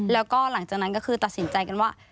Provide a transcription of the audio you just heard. แล้วก็หลังจากนั้นก็คือตัดสินใจกันว่า